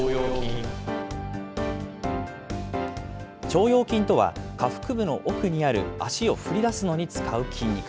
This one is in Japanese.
腸腰筋とは、下腹部の奥にある足を振りだすのに使う筋肉。